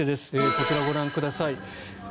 こちらをご覧ください。